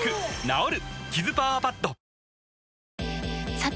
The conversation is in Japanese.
さて！